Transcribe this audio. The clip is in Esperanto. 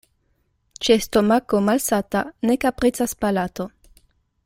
Ĉe stomako malsata ne kapricas palato.